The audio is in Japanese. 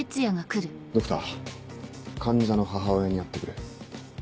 ドクター患者の母親に会ってくる。